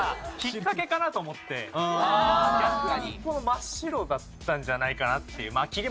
真っ白だったんじゃないかな？っていう。